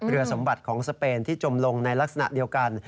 สมบัติของสเปนที่จมลงในลักษณะเดียวกัน